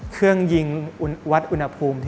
เครื่องยิงวัดอุณหภูมิ